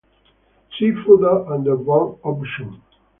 See further under Bond option.